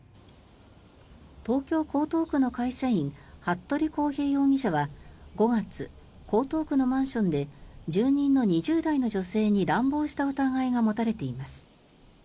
東京・江東区の会社員服部康平容疑者は５月江東区のマンションで住人の２０代の女性に乱暴した疑いが持たれています。